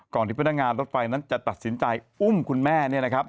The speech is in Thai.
ก่อนที่พนักงานรถไฟนั้นจะตัดสินใจอุ้มคุณแม่